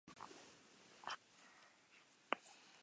Kontrolik gabeko neurketa izan da, huts asko eta asmatze gutxirekin.